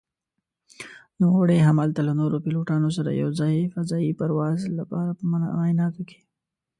نوموړي هملته له نورو پيلوټانو سره يو ځاى فضايي پرواز لپاره په معايناتو کې